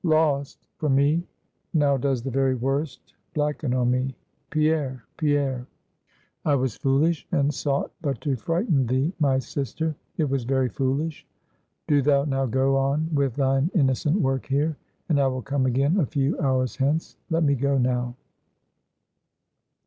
"Lost? for me? Now does the very worst blacken on me. Pierre! Pierre!" "I was foolish, and sought but to frighten thee, my sister. It was very foolish. Do thou now go on with thine innocent work here, and I will come again a few hours hence. Let me go now."